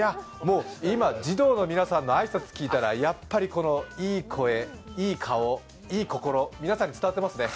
今、児童の皆さんの挨拶聞いたらやっぱこのいい声、いい顔、いい心、皆さんに伝わっていますね。